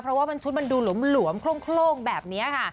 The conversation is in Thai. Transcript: เพราะว่ามันชุดมันดูหลวมโคร่งแบบนี้ค่ะ